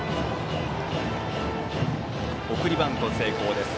送りバント成功です。